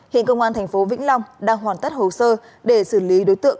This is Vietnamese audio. hiện công an thành phố vĩnh long đang hoàn tất hồ sơ để xử lý đối tượng